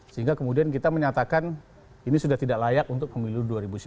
sehingga kemudian kita menyatakan ini sudah tidak layak untuk pemilu dua ribu sembilan belas